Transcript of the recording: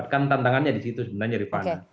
kan tantangannya di situ sebenarnya rifana